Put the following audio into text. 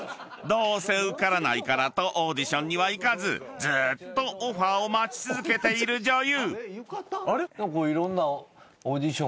［どうせ受からないからとオーディションには行かずずーっとオファーを待ち続けている女優］